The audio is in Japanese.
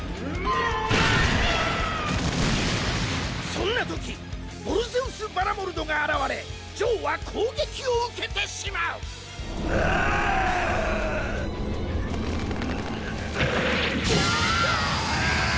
そんなときヴォルゼオス・バラモルドが現れジョーは攻撃を受けてしまうグォーッ！